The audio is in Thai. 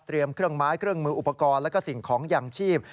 เตรียมเครื่องไม้เครื่องมืออุปกรณ์และสิ่งของยังชีพ